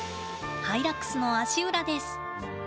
ハイラックスの足裏です。